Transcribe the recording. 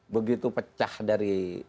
begitu pecah dari